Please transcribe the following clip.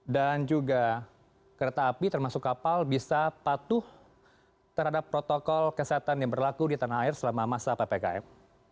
dan juga kereta api termasuk kapal bisa patuh terhadap protokol kesehatan yang berlaku di tanah air selama masa ppkm